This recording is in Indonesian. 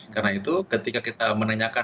karena itu ketika kita menanyakan